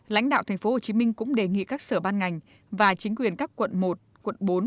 lãnh đạo tp hcm cũng đề nghị các sở ban ngành và chính quyền các quận một quận bốn